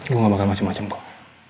gua gak bakal macem macem kok